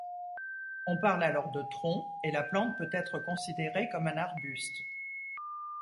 On parle alors de tronc et la plante peut être considérée comme un arbuste.